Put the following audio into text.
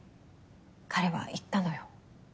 彼は言ったのよ。